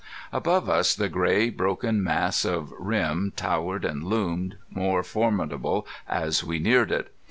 Above us the gray broken mass of rim towered and loomed, more formidable as we neared it.